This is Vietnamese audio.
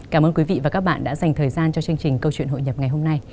cảm ơn quý vị và các bạn đã dành thời gian cho chương trình câu chuyện hội nhập ngày hôm nay